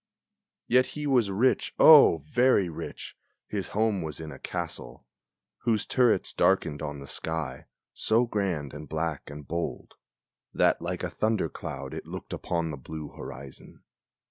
Yet he was rich, O! very rich; his home was in a castle, Whose turrets darkened on the sky, so grand and black and bold That like a thunder cloud it looked upon the blue horizon.